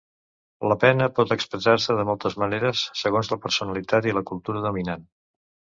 La pena pot expressar-se de moltes maneres segons la personalitat i la cultura dominant.